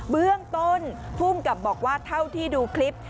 เบื้องต้นภูมิกับบอกว่าเท่าที่ดูคลิป